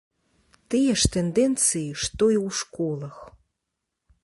Тыя ж тэндэнцыі, што і ў школах.